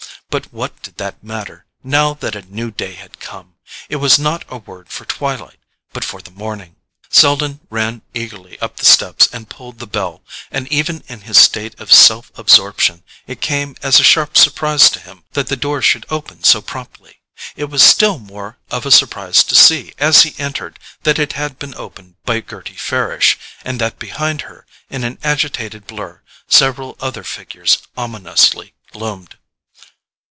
But what did that matter, now that a new day had come? It was not a word for twilight, but for the morning. Selden ran eagerly up the steps and pulled the bell; and even in his state of self absorption it came as a sharp surprise to him that the door should open so promptly. It was still more of a surprise to see, as he entered, that it had been opened by Gerty Farish—and that behind her, in an agitated blur, several other figures ominously loomed.